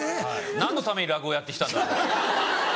何のために落語をやってきたんだろう。